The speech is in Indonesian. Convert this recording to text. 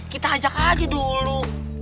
kita ajak aja dulu